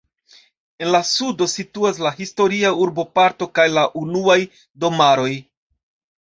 En la sudo situas la historia urboparto kaj la unuaj domaroj.